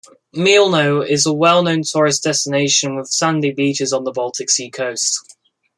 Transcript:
Mielno is a well-known tourist destination with sandy beaches on the Baltic Sea coast.